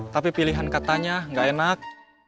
tapi pilihan katanya gak enak